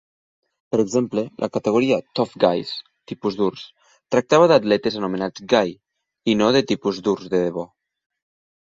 Per exemple, la categoria "Tough Guys" ("tipus durs") tractava d'atletes anomenats "Guy", i no de tipus durs de debò.